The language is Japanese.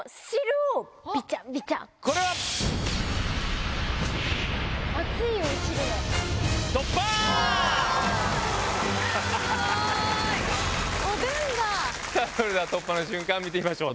それでは突破の瞬間を見てみましょう。